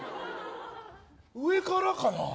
上からかな？